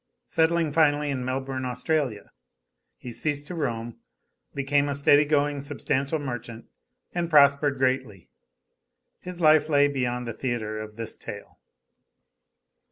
Settling finally in Melbourne, Australia, he ceased to roam, became a steady going substantial merchant, and prospered greatly. His life lay beyond the theatre of this tale.